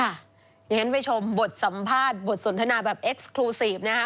อย่างนั้นไปชมบทสัมภาษณ์บทสนทนาแบบนะฮะ